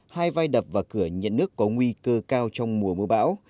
hai vai đập và cửa nhận nước có nguy cơ cao trong mùa mưa bão